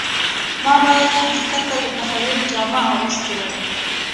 ما باید حقیقت ته د تخیل جامه اغوستې وای